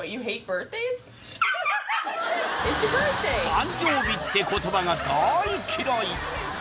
誕生日って言葉が大嫌い